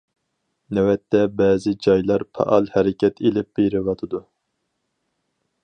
نۆۋەتتە، بەزى جايلار پائال ھەرىكەت ئېلىپ بېرىۋاتىدۇ.